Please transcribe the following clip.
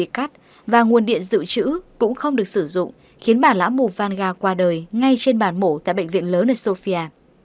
cắt và nguồn điện dự trữ cũng không được sử dụng khiến bà lã mù vanga qua đời ngay trên bàn mổ tại bệnh viện lớn ở sofia